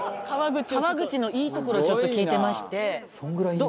川口のいいところをちょっと聞いてまして。